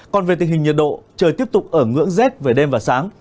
còn về tình hình nhiệt độ trời tiếp tục ở ngưỡng rét về đêm và sáng